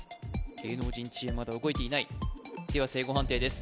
芸能人チームまだ動いていないでは正誤判定です